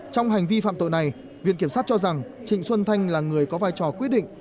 trong hành vi phạm tội này viện kiểm sát cho rằng trịnh xuân thanh là người có vai trò quyết định